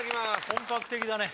本格的だね